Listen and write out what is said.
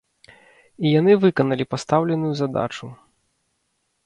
І яны выканалі пастаўленую задачу.